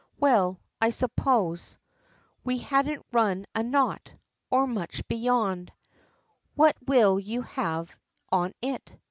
Well I suppose We hadn't run a knot or much beyond (What will you have on it?)